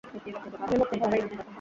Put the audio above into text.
আমি মরতে ভয় পাই না।